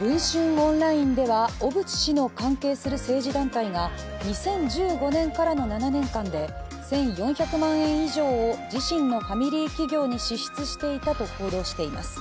オンラインでは小渕氏の関係する政治団体が２０１５年からの７年間で１４００万円以上を自身のファミリー企業に支出していたと報道しています。